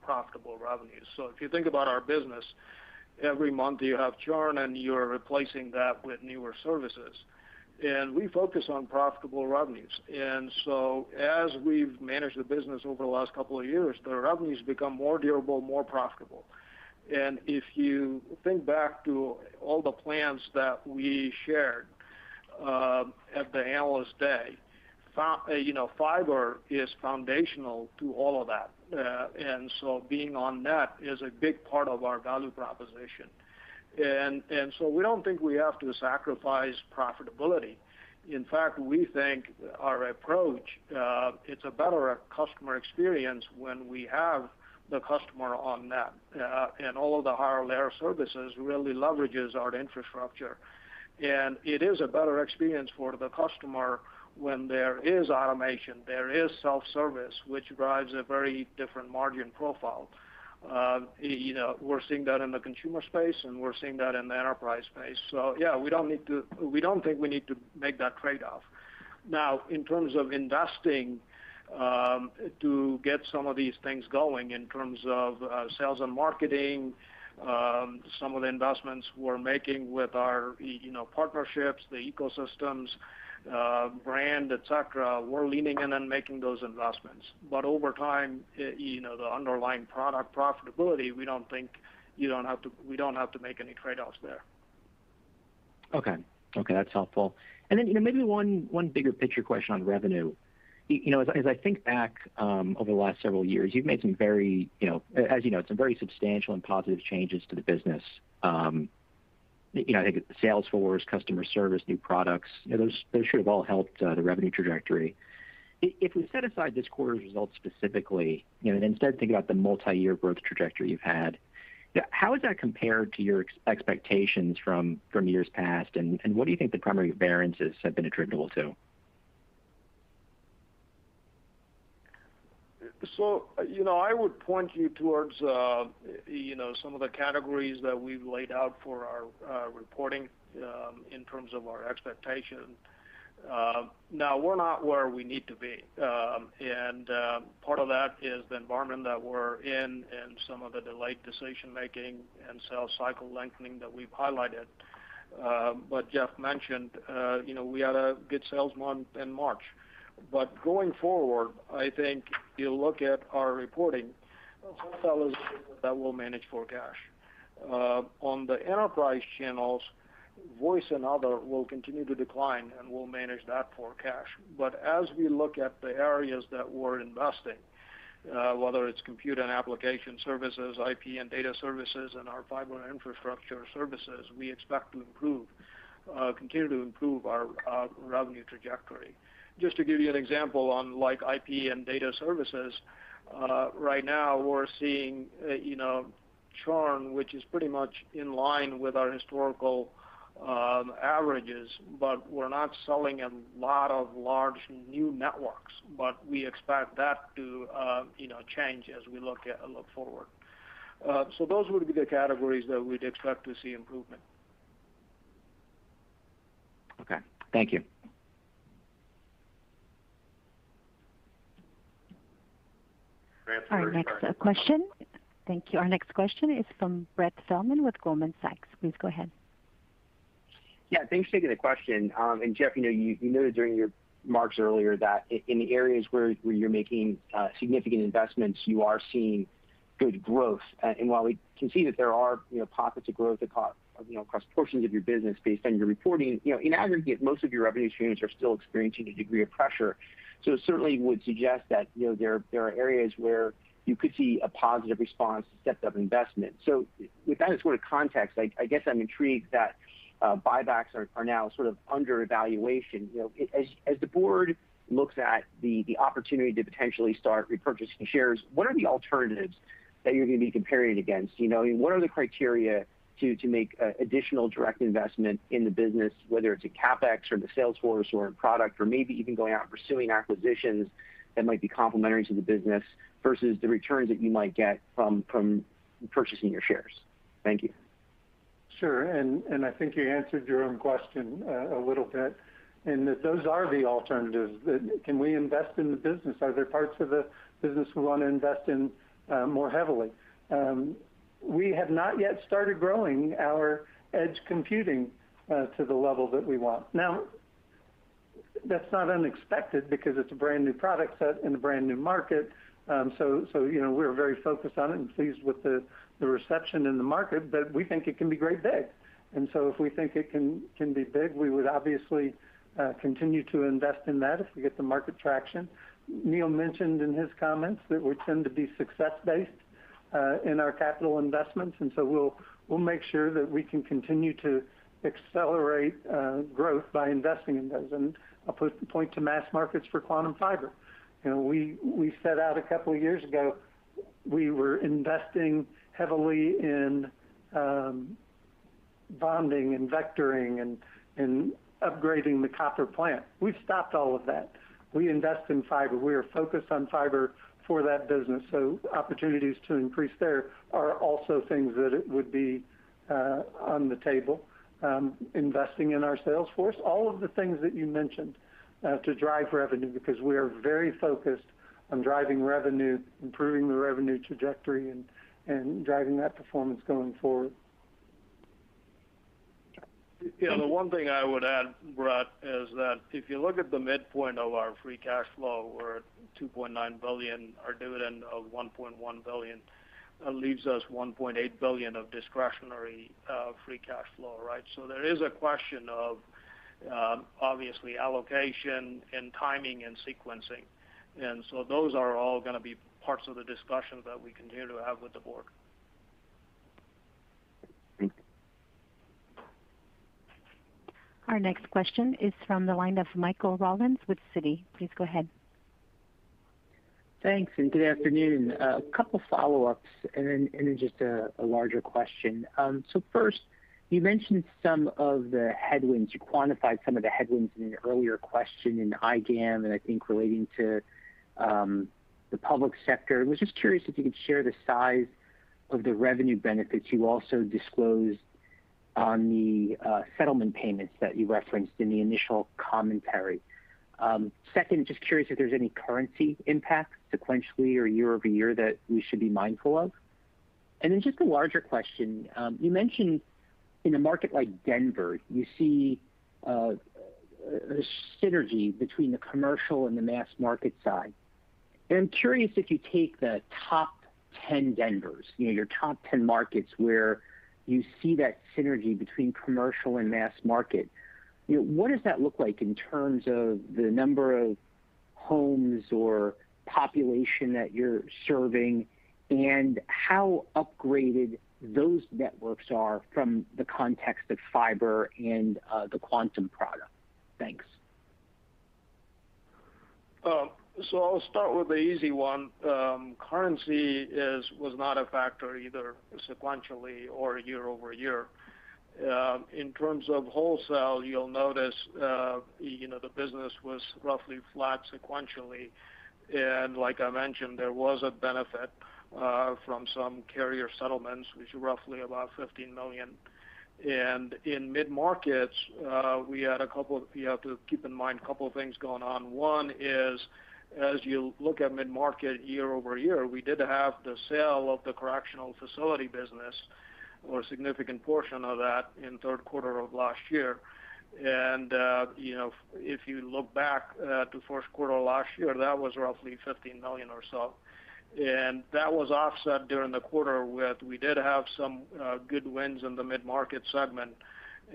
profitable revenues. If you think about our business, every month you have churn and you're replacing that with newer services. We focus on profitable revenues. As we've managed the business over the last couple of years, the revenues become more durable, more profitable. If you think back to all the plans that we shared at the Analyst Day, fiber is foundational to all of that. Being on net is a big part of our value proposition. We don't think we have to sacrifice profitability. In fact, we think our approach, it's a better customer experience when we have the customer on net. All of the higher layer services really leverages our infrastructure. It is a better experience for the customer when there is automation, there is self-service, which drives a very different margin profile. We're seeing that in the consumer space and we're seeing that in the enterprise space. Yeah, we don't think we need to make that trade-off. Now, in terms of investing to get some of these things going in terms of sales and marketing, some of the investments we're making with our partnerships, the ecosystems, brand, et cetera, we're leaning in and making those investments. Over time, the underlying product profitability, we don't have to make any trade-offs there. Okay. That's helpful. Maybe one bigger picture question on revenue. As I think back over the last several years, you've made some very substantial and positive changes to the business. I think sales force, customer service, new products, those should have all helped the revenue trajectory. If we set aside this quarter's results specifically and instead think about the multi-year growth trajectory you've had, how has that compared to your expectations from years past, and what do you think the primary variances have been attributable to? I would point you towards some of the categories that we've laid out for our reporting in terms of our expectation. We're not where we need to be, and part of that environment that we're in and some of the delayed decision-making and sales cycle lengthening that we've highlighted. Jeff mentioned we had a good sales month in March. Going forward, I think if you look at our reporting, wholesale is that we'll manage for cash. On the enterprise channels, voice and other will continue to decline, and we'll manage that for cash. As we look at the areas that we're investing, whether it's compute and application services, IP and data services, and our fiber infrastructure services, we expect to continue to improve our revenue trajectory. Just to give you an example on IP and data services, right now we're seeing churn, which is pretty much in line with our historical averages. We're not selling a lot of large new networks. We expect that to change as we look forward. Those would be the categories that we'd expect to see improvement. Okay. Thank you. [Grant, you're ] Our next question. Thank you. Our next question is from Brett Feldman with Goldman Sachs. Please go ahead. Yeah. Thanks for taking the question. Jeff, you noted during your remarks earlier that in the areas where you're making significant investments, you are seeing good growth. While we can see that there are pockets of growth across portions of your business based on your reporting, in aggregate, most of your revenue streams are still experiencing a degree of pressure. It certainly would suggest that there are areas where you could see a positive response to stepped-up investment. With that as sort of context, I guess I'm intrigued that buybacks are now sort of under evaluation. As the board looks at the opportunity to potentially start repurchasing shares, what are the alternatives that you're going to be comparing it against? What are the criteria to make additional direct investment in the business, whether it's a CapEx or the sales force or in product, or maybe even going out and pursuing acquisitions that might be complementary to the business versus the returns that you might get from purchasing your shares? Thank you. Sure. I think you answered your own question a little bit, in that those are the alternatives. Can we invest in the business? Are there parts of the business we want to invest in more heavily? We have not yet started growing our edge computing to the level that we want. That's not unexpected because it's a brand-new product set in a brand-new market. We're very focused on it and pleased with the reception in the market, but we think it can be great big. If we think it can be big, we would obviously continue to invest in that if we get the market traction. Neel mentioned in his comments that we tend to be success-based in our capital investments, we'll make sure that we can continue to accelerate growth by investing in those. I'll point to mass markets for Quantum Fiber. We set out a couple of years ago. We were investing heavily in bonding and vectoring and upgrading the copper plant. We've stopped all of that. We invest in fiber. We are focused on fiber for that business. Opportunities to increase there are also things that would be on the table. Investing in our sales force, all of the things that you mentioned to drive revenue because we are very focused on driving revenue, improving the revenue trajectory, and driving that performance going forward. Yeah, the one thing I would add, Brett, is that if you look at the midpoint of our free cash flow, we're at $2.9 billion. Our dividend of $1.1 billion leaves us $1.8 billion of discretionary free cash flow, right? There is a question of, obviously, allocation and timing and sequencing. Those are all going to be parts of the discussion that we continue to have with the board. Thank you. Our next question is from the line of Michael Rollins with Citi. Please go ahead. Thanks. Good afternoon. A couple follow-ups and then just a larger question. First, you mentioned some of the headwinds. You quantified some of the headwinds in an earlier question in IGAM, and I think relating to the public sector. I was just curious if you could share the size of the revenue benefits you also disclosed on the settlement payments that you referenced in the initial commentary. Second, just curious if there's any currency impact sequentially or year-over-year that we should be mindful of. Then just a larger question. You mentioned in a market like Denver, you see a synergy between the commercial and the mass market side. I'm curious if you take the top 10 Denvers, your top 10 markets where you see that synergy between commercial and mass market. What does that look like in terms of the number of homes or population that you're serving, and how upgraded those networks are from the context of fiber and the Quantum product? Thanks. I'll start with the easy one. Currency was not a factor either sequentially or year-over-year. In terms of wholesale, you'll notice the business was roughly flat sequentially. Like I mentioned, there was a benefit from some carrier settlements, which are roughly about $15 million. In mid-market, you have to keep in mind a couple of things going on. One is, as you look at mid-market year-over-year, we did have the sale of the correctional facility business, or a significant portion of that, in third quarter of last year. If you look back to fourth quarter last year, that was roughly $15 million or so. That was offset during the quarter, we did have some good wins in the mid-market segment,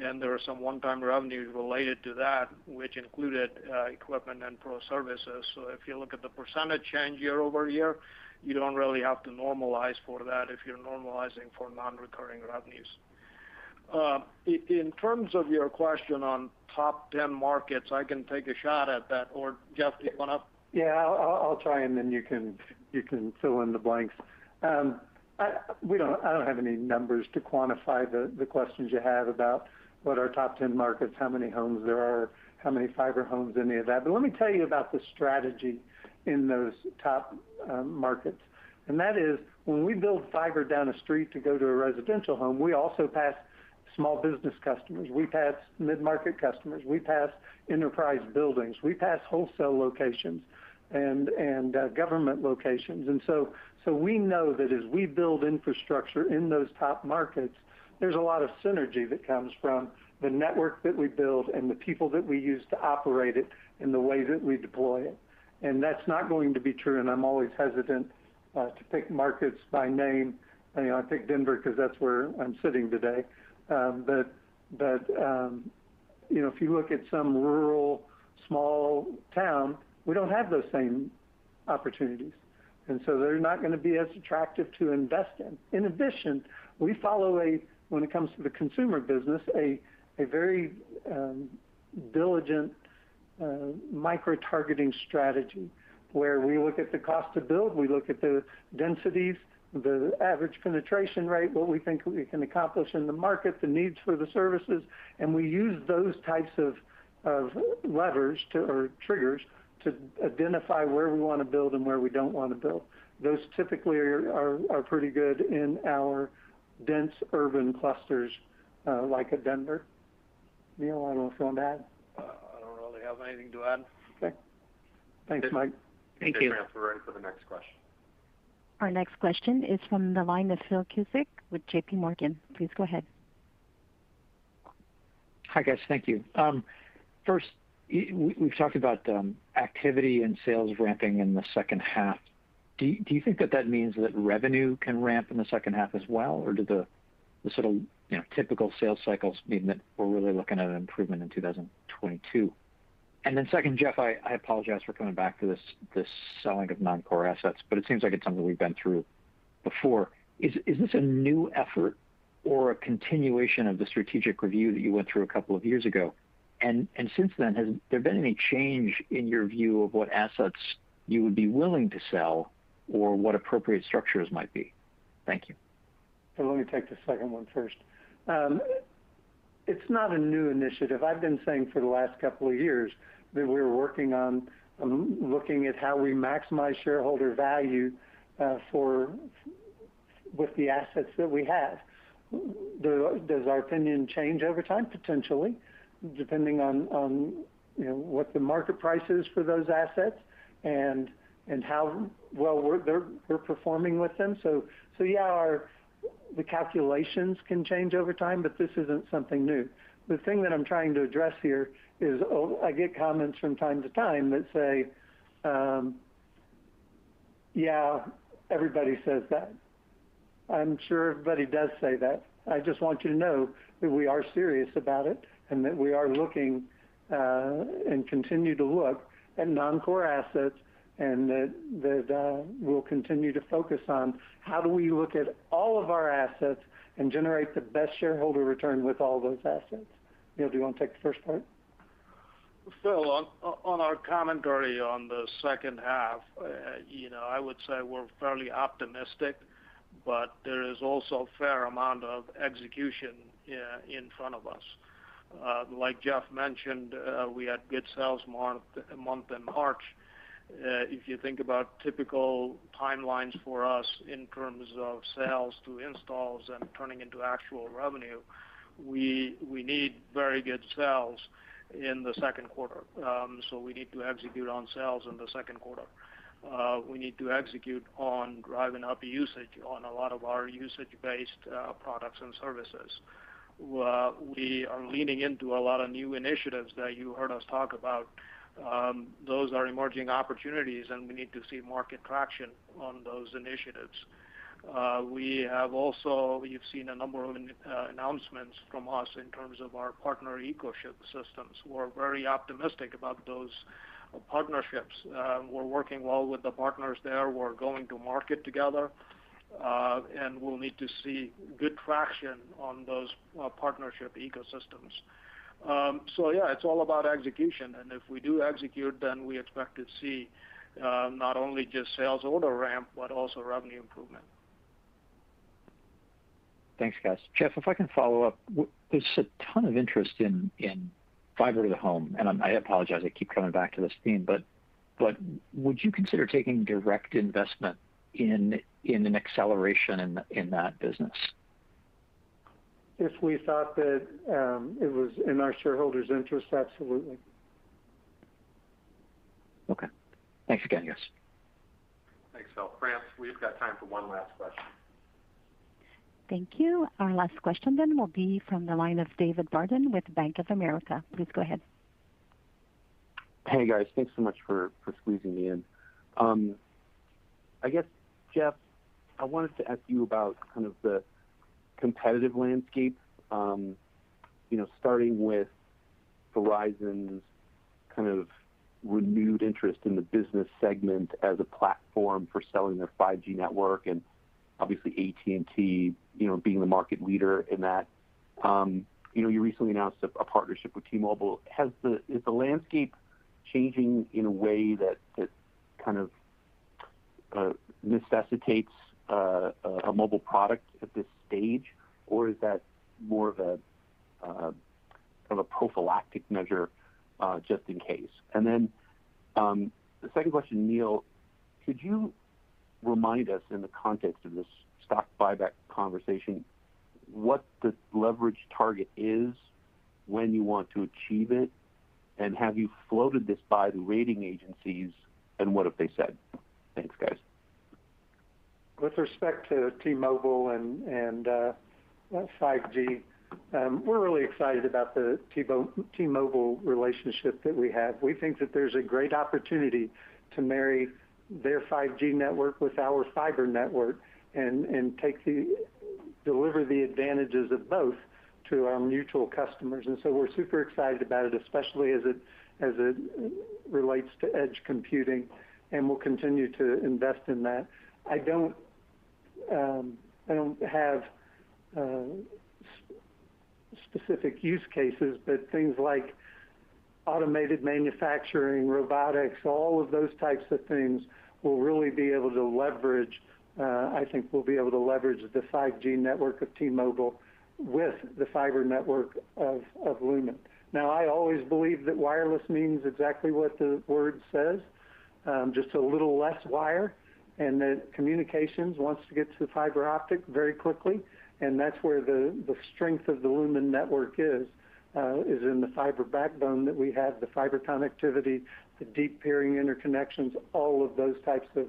and there were some one-time revenues related to that, which included equipment and pro services. If you look at the percentage change year-over-year, you don't really have to normalize for that if you're normalizing for non-recurring revenues. In terms of your question on top 10 markets, I can take a shot at that. Jeff, do you want to? Yeah, I'll try, then you can fill in the blanks. I don't have any numbers to quantify the questions you have about what our top 10 markets, how many homes there are, how many fiber homes, any of that. Let me tell you about the strategy in those top markets. That is, when we build fiber down a street to go to a residential home, we also pass small business customers. We pass mid-market customers. We pass enterprise buildings. We pass wholesale locations and government locations. So we know that as we build infrastructure in those top markets, there's a lot of synergy that comes from the network that we build and the people that we use to operate it and the way that we deploy it. That's not going to be true, and I'm always hesitant to pick markets by name. I pick Denver because that's where I'm sitting today. If you look at some rural, small town, we don't have those same opportunities, and so they're not going to be as attractive to invest in. In addition, we follow a, when it comes to the consumer business, a very diligent micro-targeting strategy where we look at the cost to build, we look at the densities, the average penetration rate, what we think we can accomplish in the market, the needs for the services, and we use those types of levers or triggers to identify where we want to build and where we don't want to build. Those typically are pretty good in our dense urban clusters, like a Denver. Neel, you want to fill in that? I don't really have anything to add. Okay. Thanks, Michael Rollins. Thank you. Operator, we're ready for the next question. Our next question is from the line of Phil Cusick with JPMorgan. Please go ahead. Hi, guys. Thank you. First, we've talked about activity and sales ramping in the second half. Do you think that that means that revenue can ramp in the second half as well? Or do the sort of typical sales cycles mean that we're really looking at an improvement in 2022? Then second, Jeff, I apologize for coming back to this selling of non-core assets, but it seems like it's something we've been through before. Is this a new effort or a continuation of the strategic review that you went through a couple of years ago? Since then, has there been any change in your view of what assets you would be willing to sell or what appropriate structures might be? Thank you. Let me take the second one first. It's not a new initiative. I've been saying for the last couple of years that we're working on looking at how we maximize shareholder value with the assets that we have. Does our opinion change over time? Potentially, depending on what the market price is for those assets and how well we're performing with them. Yeah, the calculations can change over time, but this isn't something new. The thing that I'm trying to address here is, I get comments from time to time that say, "Yeah, everybody says that." I'm sure everybody does say that. I just want you to know that we are serious about it and that we are looking, and continue to look, at non-core assets, and that we'll continue to focus on how do we look at all of our assets and generate the best shareholder return with all those assets. Neel, do you want to take the first part? Phil, on our commentary on the second half, I would say we're fairly optimistic. There is also a fair amount of execution in front of us. Like Jeff mentioned, we had good sales month in March. If you think about typical timelines for us in terms of sales to installs and turning into actual revenue, we need very good sales in the second quarter. We need to execute on sales in the second quarter. We need to execute on driving up usage on a lot of our usage-based products and services. We are leaning into a lot of new initiatives that you heard us talk about. Those are emerging opportunities. We need to see market traction on those initiatives. You've seen a number of announcements from us in terms of our partner ecosystem. We're very optimistic about those partnerships. We're working well with the partners there. We're going to market together. We'll need to see good traction on those partnership ecosystems. Yeah, it's all about execution, and if we do execute, then we expect to see not only just sales order ramp, but also revenue improvement. Thanks, guys. Jeff, if I can follow up. There's a ton of interest in fiber to the home. I apologize, I keep coming back to this theme. Would you consider taking direct investment in an acceleration in that business? If we thought that it was in our shareholders' interest, absolutely. Okay. Thanks again, guys. Thanks, Phil. France, we've got time for one last question. Thank you. Our last question will be from the line of David Barden with Bank of America. Please go ahead. Hey, guys. Thanks so much for squeezing me in. I guess, Jeff, I wanted to ask you about kind of the competitive landscape. Starting with Verizon's kind of renewed interest in the business segment as a platform for selling their 5G network and obviously AT&T being the market leader in that. You recently announced a partnership with T-Mobile. Is the landscape changing in a way that kind of necessitates a mobile product at this stage, or is that more of a prophylactic measure just in case? The second question, Neel, could you remind us in the context of this stock buyback conversation, what the leverage target is, when you want to achieve it, and have you floated this by the rating agencies, and what have they said? Thanks, guys. With respect to T-Mobile and 5G, we're really excited about the T-Mobile relationship that we have. We think that there's a great opportunity to marry their 5G network with our fiber network and deliver the advantages of both to our mutual customers. We're super excited about it, especially as it relates to edge computing, and we'll continue to invest in that. I don't have specific use cases, but things like automated manufacturing, robotics, all of those types of things will really be able to leverage, I think, the 5G network of T-Mobile with the fiber network of Lumen. I always believe that wireless means exactly what the word says, just a little less wire, and that communications wants to get to the fiber optic very quickly, and that's where the strength of the Lumen network is in the fiber backbone that we have, the fiber connectivity, the deep peering interconnections, all of those types of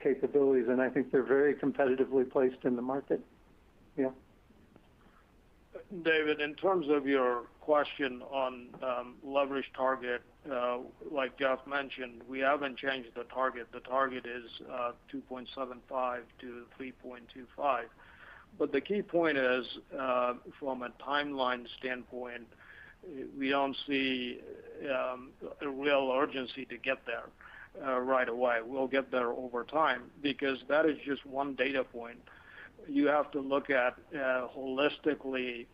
capabilities, and I think they're very competitively placed in the market. Neel? David, in terms of your question on leverage target, like Jeff mentioned, we haven't changed the target. The target is 2.75 to 3.25. The key point is, from a timeline standpoint, we don't see a real urgency to get there right away. We'll get there over time because that is just one data point. You have to look at holistically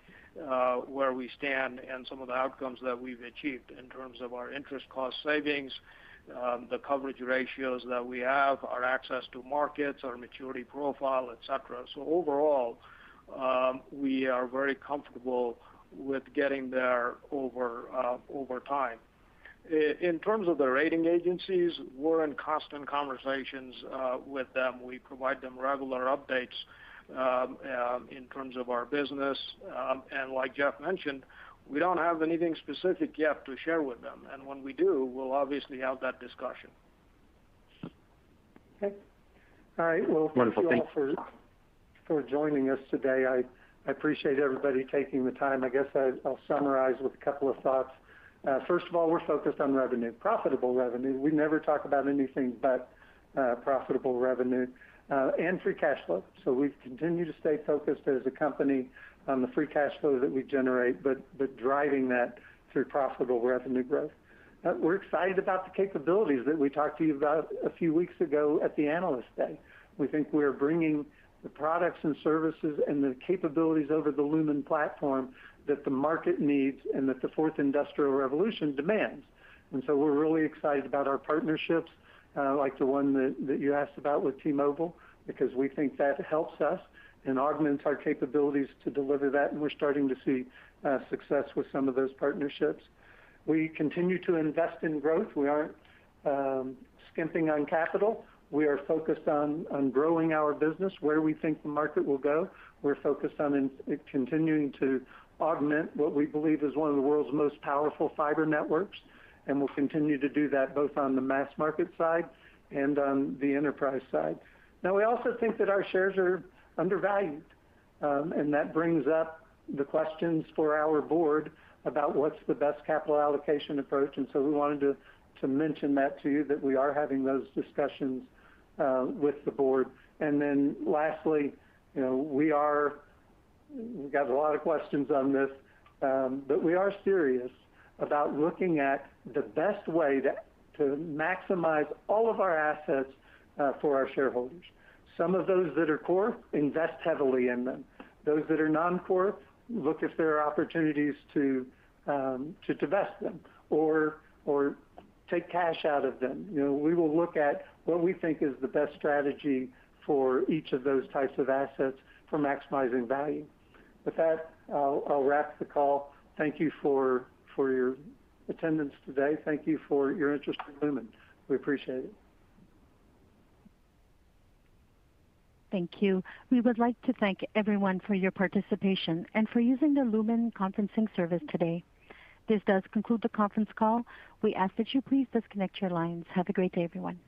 where we stand and some of the outcomes that we've achieved in terms of our interest cost savings, the coverage ratios that we have, our access to markets, our maturity profile, et cetera. Overall, we are very comfortable with getting there over time. In terms of the rating agencies, we're in constant conversations with them. We provide them regular updates in terms of our business. Like Jeff mentioned, we don't have anything specific yet to share with them, and when we do, we'll obviously have that discussion. Okay. All right. Wonderful. Thank You. thank you all for joining us today. I appreciate everybody taking the time. I guess I'll summarize with a couple of thoughts. First of all, we're focused on revenue, profitable revenue. We never talk about anything but profitable revenue and free cash flow. We've continued to stay focused as a company on the free cash flow that we generate, but driving that through profitable revenue growth. We're excited about the capabilities that we talked to you about a few weeks ago at the Analyst Day. We think we're bringing the products and services and the capabilities over the Lumen Platform that the market needs and that the Fourth Industrial Revolution demands. We're really excited about our partnerships, like the one that you asked about with T-Mobile, because we think that helps us and augments our capabilities to deliver that, and we're starting to see success with some of those partnerships. We continue to invest in growth. We aren't skimping on capital. We are focused on growing our business where we think the market will go. We're focused on continuing to augment what we believe is one of the world's most powerful fiber networks, and we'll continue to do that both on the mass market side and on the enterprise side. Now, we also think that our shares are undervalued, and that brings up the questions for our board about what's the best capital allocation approach, and so we wanted to mention that to you, that we are having those discussions with the board. Lastly, we got a lot of questions on this, but we are serious about looking at the best way to maximize all of our assets for our shareholders. Some of those that are core, invest heavily in them. Those that are non-core, look if there are opportunities to divest them or take cash out of them. We will look at what we think is the best strategy for each of those types of assets for maximizing value. With that, I'll wrap the call. Thank you for your attendance today. Thank you for your interest in Lumen. We appreciate it. Thank you. We would like to thank everyone for your participation and for using the Lumen conferencing service today. This does conclude the conference call. We ask that you please disconnect your lines. Have a great day, everyone.